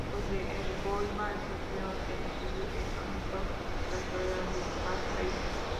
Los de Elgoibar escogieron el estudio "El Cantón de la Soledad" de Gasteiz.